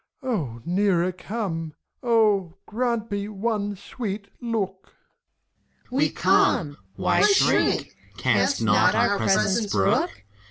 O, nearer come, — 0, grant me one sweet look ! ANGELS. We come! Why shrink? Canst not our presence brook?